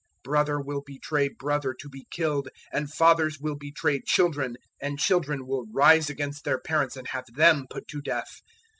013:012 "Brother will betray brother to be killed, and fathers will betray children; and children will rise against their parents and have them put to death.